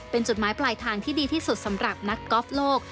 เป็นจุดหมายปลายทางที่ดีที่สุดสำหรับนักกอล์ฟโลก